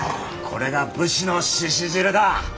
これが武士の鹿汁だ。